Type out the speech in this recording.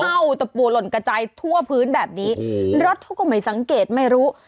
เข้าตะปูหล่นกระจายทั่วพื้นแบบนี้รถเขาก็ไม่สังเกตไม่รู้